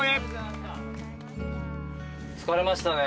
疲れましたね。